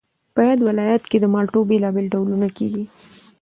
په یاد ولایت کې د مالټو بېلابېل ډولونه کېږي